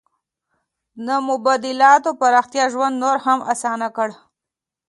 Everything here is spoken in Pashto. د مبادلاتو پراختیا ژوند نور هم اسانه کړ.